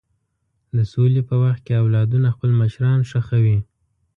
د سولې په وخت کې اولادونه خپل مشران ښخوي.